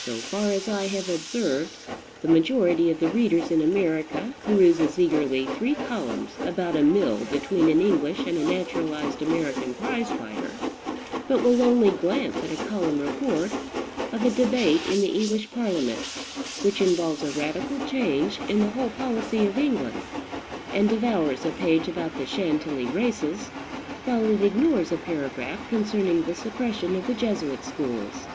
So far as I have observed, the majority of the readers in America peruses eagerly three columns about a mill between an English and a naturalized American prize fighter, but will only glance at a column report of a debate in the English parliament which involves a radical change in the whole policy of England; and devours a page about the Chantilly races, while it ignores a paragraph concerning the suppression of the Jesuit schools.